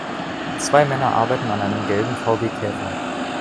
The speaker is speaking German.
Zwei Männer arbeiten an einem gelben VW-Käfer.